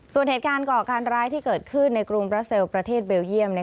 ส่วนเหตุการณ์ก่อการร้ายที่เกิดขึ้นในกรุงบราเซลประเทศเบลเยี่ยม